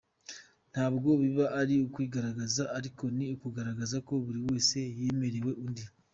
Ntabwo biba ari ukwigaragaza, ariko ni ukugaragaza ko buri wese yaremewe undi.